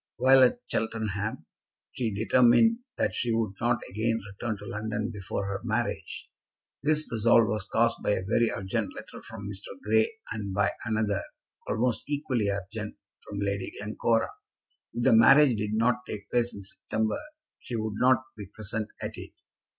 While at Cheltenham, she determined that she would not again return to London before her marriage. This resolve was caused by a very urgent letter from Mr. Grey, and by another, almost equally urgent, from Lady Glencora. If the marriage did not take place in September she would not be present at it.